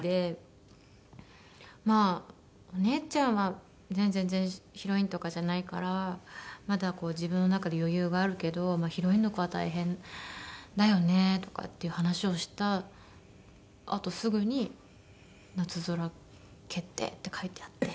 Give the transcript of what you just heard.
「まあお姉ちゃんは全然ヒロインとかじゃないからまだ自分の中で余裕があるけどヒロインの子は大変だよね」とかっていう話をしたあとすぐに「『なつぞら』決定」って書いてあって。